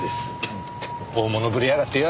大物ぶりやがってよ。